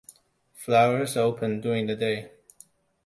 Flowers open during the day.